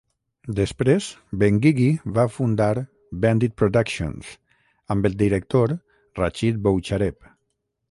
Després, Benguigui va fundar "Bandit Productions" amb el director Rachid Bouchareb.